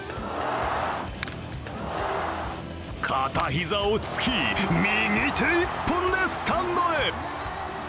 片膝をつき、右手１本でスタンドへ。